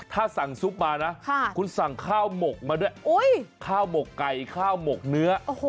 ถ้าสั่งซุปมานะคุณสั่งข้าวหมกมาด้วยข้าวหมกไก่ข้าวหมกเนื้อ